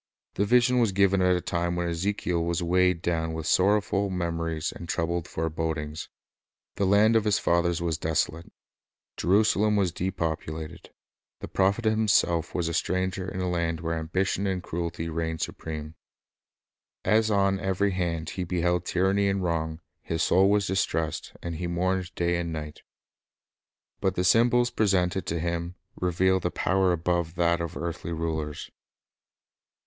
The vision was given at a time when Ezekiel was weighed down with sorrowful memories and troubled forebodings. The land of his fathers was desolate. Jerusalem was depopulated. The prophet himself was a stranger in a land where ambition and cruelty reigned supreme. As on every hand he beheld tyranny and wrong, his soul was distressed, and he mourned day and night. But the symbols presented to him revealed a power above that of earthly rulers.